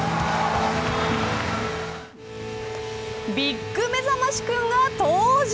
ＢＩＧめざまし君が登場。